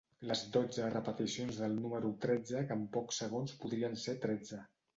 Les dotze repeticions del número tretze que en pocs segons podrien ser tretze.